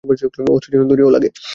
অস্ত্রের জন্য দঁড়িও লাগে?